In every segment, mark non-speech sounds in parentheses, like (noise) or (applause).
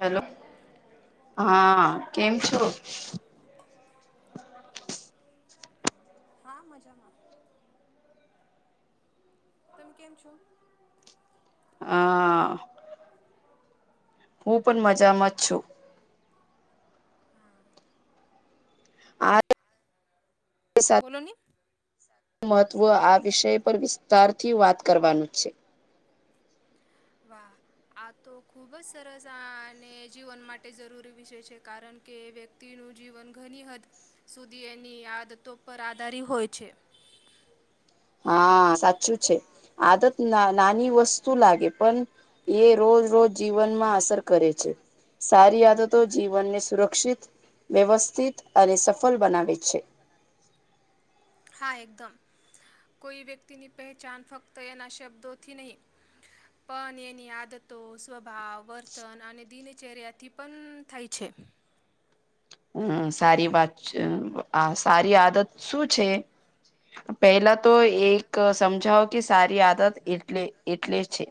Hello હા કેમ છો. હલો. હા મજામાં. તમે કેમ છો. હા. હું પણ મજામાં જ છું. હમ. (unintelligible) બોલો ને. મહત્ત્વ આ વિષય પર વિસ્તારથી વાત કરવાનું છે. વાહ આ તો ખૂબ જ સરસ આ અને જીવન માટે જરૂરી વિષય છે કારણ કે વ્યક્તિ તેનું જીવન ઘણી હદ સુધી એની આદતો પર આધારી હોય છે. હા સાચું છે. આદત ના નાની વસ્તુ લાગે પણ એ રોજ રોજ. જીવનમાં અસર કરે છે સારી આદતો જીવનને સુરક્ષિત. વ્યવસ્થિત અને સફળ બનાવે છે. હા એકદમ. કોઈ વ્યક્તિની પહેચાન ફક્ત એના શબ્દોથી નહીં. પણ એની આદતો સ્વભાવ વર્તન અને દિનચર્યાથી પણ થાય છે. હમ સારી વાત. આ સારી આદત શું છે પહેલા તો એક. સમજાવો કે સારી આદત એટલે એટલે છે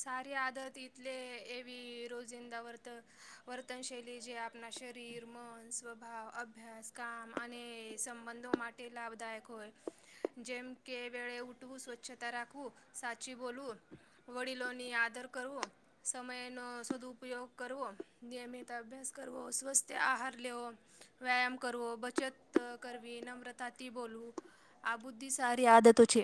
સારી આદરતટલે એવી રોજિંદા વર્ત વર્તન શૈલી જે આપ આપણા શરીર મન સ્વભાવ અભ્યાસ કામ અને સંબંધો માટે તે લાભદાયક હોય જેમ કે વેળ ઊઠવું સ્વચ્છતા રાખવું સાચી બોલવું વડીલોની આદર કરવો સમયનો સદુઉપયોગ કરવો નિયમિત અભ્યાસ કરવો સ્વસ્થ્ય આહાર લેવ વ્યાયામ કરવો બચત કરવી નમ્રતાથી બોલવું આ બુદ્ધિ સારી આદતો છે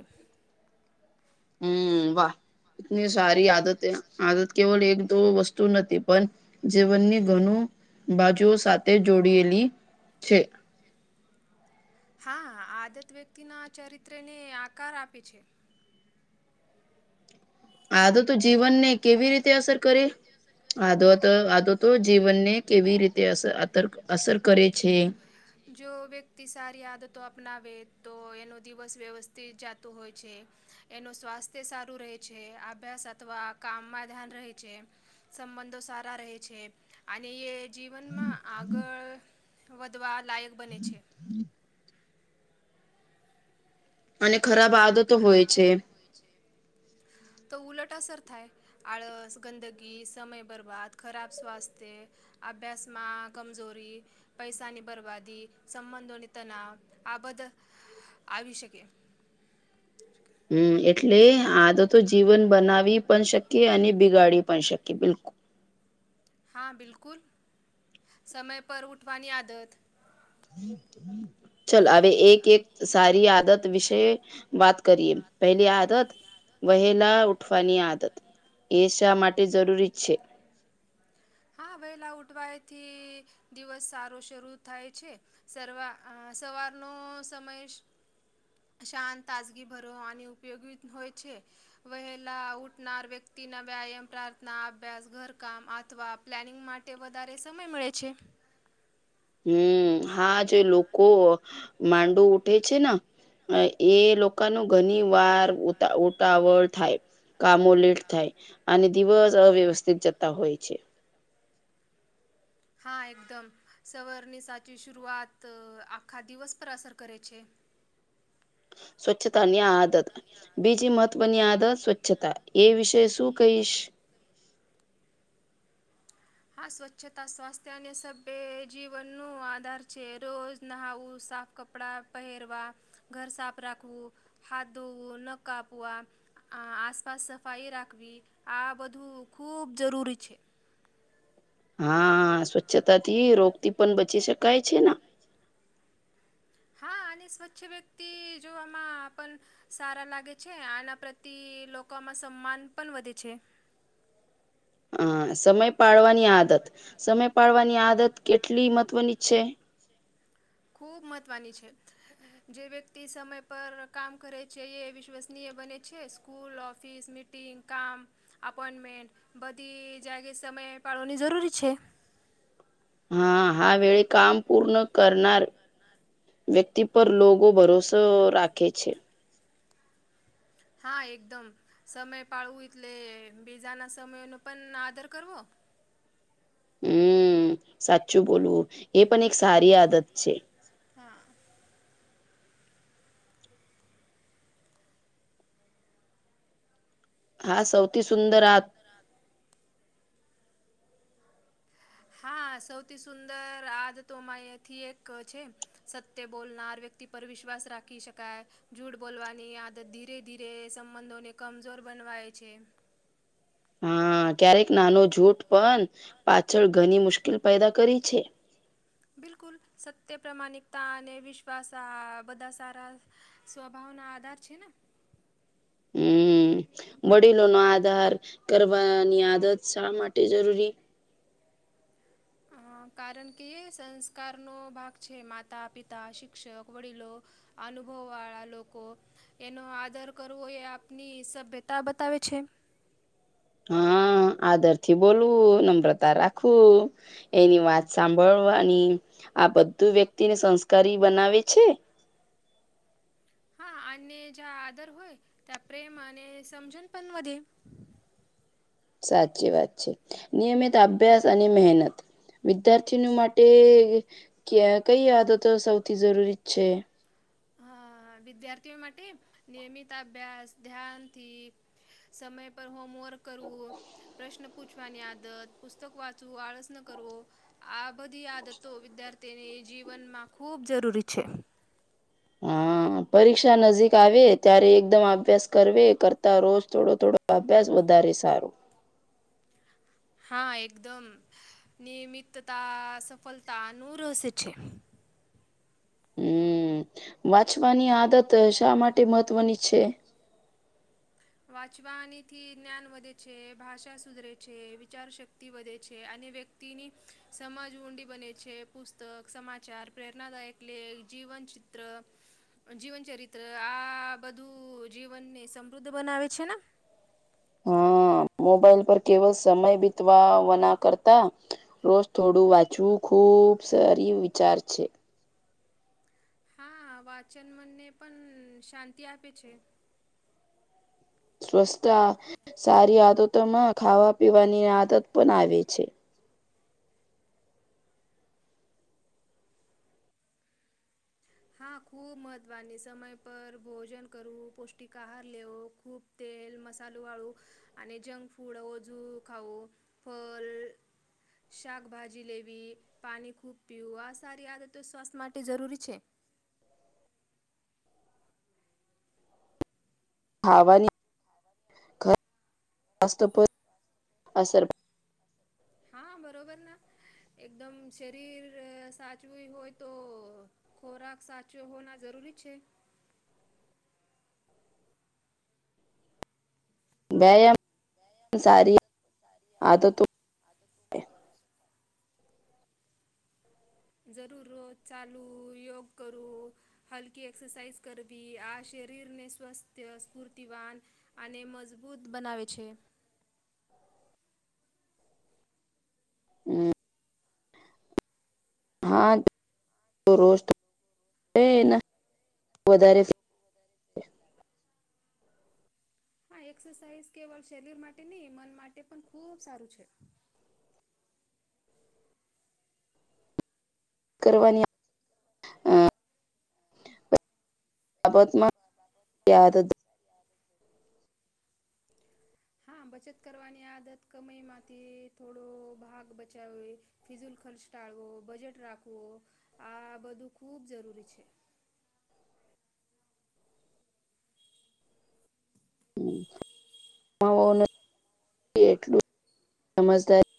હમ વાહ એતની સારી આદત આદત કેવલ એક તો વસ્તુ નથી પણ જીવનની ઘણું બાજુઓ સાથે જોડયેલી છે હા આદત વ્યક્તિના ચરિત્રને આકાર આપે છે. આ તોો તો જીવનને કેવી રીતે અસર કરે આો આ તોો તો જીવનને કેવી રીતે અ અ અસર કરે છે. જો વ્યક્તિ સારી આદતો અપનાવે તો એનો દિવસ વ્યવસ્થિત જાતું હોય છે. એનું સ્વાસ્થ્ય સારું રહે છે અભ્યાસ અથવા કામમાં ધ્યાન રહે છે. સંબંધો સારા રહે છે અને એ જીવનમાં આગળ વધધવા લાયક બન છે. અને ખરાબ આદતો હોય છે. તો ઉલટ અસર થાય. આળસ ગંદગી સમય બરબાદ ખરાબ સ્વાસ્થ્ય અભ્યાસમાં કમજોરી પૈસાની બરબાદી સંબંધોની તનાવ આ બધ આવી શકે શ હમ એટલે આ તો તો જીવન બનાવી પણ શકીએ અને બિગાડી પણ શકીએ બિલકુલ હા બિલકુલ સમય પર ઉઠવાની આદત ચાલ હવે એક એક સારી આદત વિશે વાત કરીએ પહેલી આદત વહેલા ઉઠવાની આદત એ શા માટે જરૂરી જ છે. હા વહેલા ઉઠવાયથી દિવસ સારો શરૂ થાય છે. સવા સવારનો સમય શંત તાજગી ભરોવાની ઉપયોગી હોય છે. વહેલા ઉઠનાર વ્યક્તિના વ્યાયામ પ્રાર્થના અભ્યાસ ઘરકામ અથવા પ્લાનિંગ માટે વધારે સમય મળે છે. હમ હા જે લોકો માંડુ ઉઠે છે ને. એ લોકોનું ઘણી વાર ઉતાવળ થાય કામો લેટ થાય અને દિવસ અવ્યવસ્થિત જતા હોય છે. હા એકદમ સવર્નિસાચ શરઆત આખા દિવસ પર અસર કરે છે સ્વચધાન્ય આદ બીજી મહત્વની આદત સ્વચ્છતા એ વિશે શું કહીશ હા સ્વચ્છતા સ્વાસ્થ્ય અને સભ્ય જીવનનો આધાર છે રોજ નવું સાફ કપડા પહેરવા ઘર સાફ રાખવું હાથ ધોવું ન કાપવા આસપાસ સફાઈ રાખવી આ બધું ખૂબ જરૂરી છે. હા સ્વચ્છતા થી રોગ થી પણ બચી શકાય છે હા અને સ્વચ્છ વ્યક્તિ જોવામાં સારા લાગે છે આના પ્રતિ લોકોમાં સમાન પણ વધે છે. હ સમય પાડવાની આદત સમય પાડવાની આદત કેટલી મહત્વની છે ખુબ મહત્વની છે. જે વ્યક્તિ સમય પર કામ કરે છે એ વિશ્વસનીય બને છે સ્કૂલ ઓફિસ મીટિંગ કામ અપોઈન્ટમેન્ટ બધી જગે સમય પાળવાની જરૂરી છે. હા હા વ કામ પૂર્ણ કરના વ્યક તિ પર લોકો ભરોસો રાખે છે હા એકદમ સમય પાળવું એટલે બીજાના સમયનો પણ આદર કરવો. હમ સાચું બોલવું એ પણ એક સારી આદત છે હા હા સૌથી સુંદર આ હા સૌથી સુંદર આદતોમાંથી એક છે સત્ય બોલનાર વ્યક્તિ પર વિશ્વાસ રાખી શકાય જૂઢ બોલવાની આદત ધીરે ધીરે સંબંધોને કમજોર બનવાય છે હા ક્યારેક નાનો જૂઠ પણ પાછળ ઘણી મુશ્કેલ પેદા કરી છે બિલકુલ સત્ય પ્રમાણિકતા અને વિશ્વાસ આ બધા સારા સ્વભાવનો આધાર છે હમ વડીલો નો આધાર કરવાની આદત શા માટે જરૂરી કારણ કે સંસ્કારનો ભાગ છે માતા પિતા શિક્ષક વડીલો અનુભવ વાળા લોકો એનો આદર કરવો એ આપની સભ્યતા બતાવે છે હા આદર થી બોલવું નમ્રતા રાખવું એની વાત સાંભળવાની આ બધું વ્યક્તિને સંસ્કારી બનાવે છે હા અને જ્યા આદર હોય ત્યા પ્રેમ અને સમજન પણ વધી સાચી વાત છે નિયમિત અભ્યાસ અને મહેનત વિદ્યાર્થીની માટે ક કઈ આદતો સૌથી જરૂરી જ છે હા વિદ્યાર્થીઓ માટે નિયમિત અભ્યાસ ધ્યાનથી સમય પર હોમોંરર્ક કરવું પ્રશ્ન પૂછવાની આદત પુસ્તક વાંચવું આળસ ન કરવો આ બધી આદતો વિદ્યાર્થીની જીવનમાં ખૂબ જરૂરી છે હા પરીક્ષા નજીક આવે ત્યારે એકદમ અભ્યાસ કર કરતા રોજ થોડો થોડો અભ્યાસ વધારે સારો હા એકદમ નિયમિતતા સફળતાનું રહસ્ય છે હમ વાંચવાની આદત શા માટે મહત્વની છે વાચવાનીથી જ્ઞાન વધે છે ભાષા સુધરે છે વિચાર શક્તિ તિ વધે છે અને વ્યક્તિની સમાજ ઊંડી બને છે પુસ્તક સમાચાર પ્રેરણાદાયક ક્લે જીવન ચિત્ર જીવનચરિત્ર આ બધું જીવનને સમૃદ્ધ બનાવે છે ને હા (inaudible) મોબાઈલ પર કેવલ સમય બીતવાવાના કરતા રોજ થોડું વાંચવું ખુબ સારી વિચાર છે હા વાચન મનને પણ શાંતિ આપે છે સ્વસ્છતા સારી આદતોમાં ખાવા પીવાની આદત પણ આવે છે હા ખૂબ મહત્ત્વની સમય પર ભોજન કરવું પૌષ્ટિક આહાર લેવો ખૂબ તેલ મસાલો વાળું અને જંક ફૂડ ઓજુ ખાવું ફલ શાકભાજી લેવી પાણી ખૂબ પીવું આ સારી આદતો સવાસ્થ માટે જરૂરી છે હવાની (unintelligible) અસર હા બરોબર ના એકદમ શરીર સાચવું હોય તો ખોરાક સાચો હોના જરૂરી છે વ્યાયામ સારી આદતો આદત જરૂર રોજ ચાલુ યોગ કરું હલકી એક્સરસાઇઝ કરવી આ શરીરને સ્વસ્થ સ્ફૂર્તિવાન અને મજબૂત બનાવે છે હમ (inaudible) (unintelligible) હા રો (inaudible) (unintelligible) વધારે આા એક્સરસાઇઝ કેવલ શરીર માટે નહીં મન માટે પણ ખૂબ સારું છે કરવાની બાબતમાં યાદ- હા બચત કરવાની આદત કમાઈ માંથી થોડો ભાગ બચાવે ફિઝુલ ખર્ચ ટાળવો બજેટ રાખવો આ બધું ખૂબ જરૂરી છે. (inaudible) એટલું સમજદારી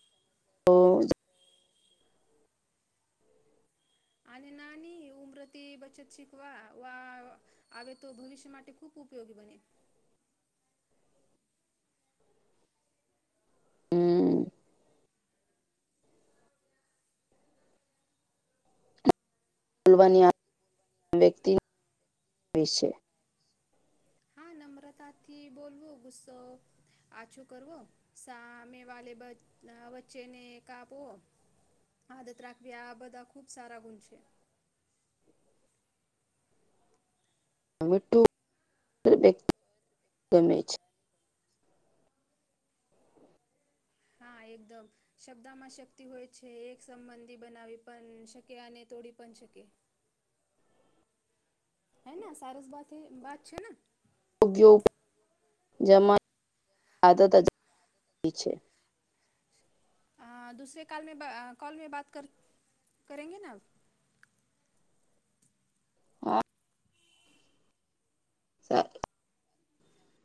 આને નાની ઉમ્રતી બચત શિકવા વા આવે તો ભવિષ્ય માટે ખૂબ ઉપયોગી બને હમ. બોલવાની આ વ્યક્તિ છે. હા નમ્રતા થી બોલવો ગુસ્સો આછું કરવો સામે વાલે વચ્ચેને (unintelligible) આદત રાખવી આ બધા ખુબ સારા ગુણ છે. (unintelligible) ગમે છે. હા એકદમ શબ્દામાં શક્તિ હોય છે એક સંબંધી બનાવી પણ શકે. અને તોડી પણ શકે. હે ના સારસ બાથે બાત છે નાં. (unintelligible) જમા આદત છે. આ દૂસરે કાલમે કોલ મે બાત કર કરેગે ના (unintelligible) (unintelligible)